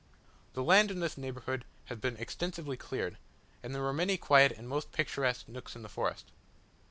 The land in this neighbourhood has been extensively cleared, and there were many quiet and most picturesque nooks in the forest.